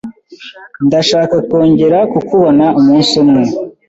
Ndashaka kongera kukubona umunsi umwe.